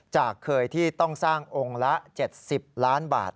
จากเคยที่ต้องสร้างองค์ละ๗๐ล้านบาท